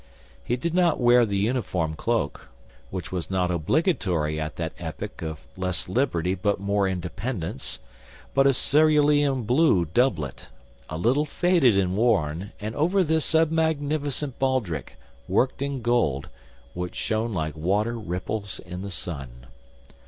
He did not wear the uniform cloak—which was not obligatory at that epoch of less liberty but more independence—but a cerulean blue doublet, a little faded and worn, and over this a magnificent baldric, worked in gold, which shone like water ripples in the sun.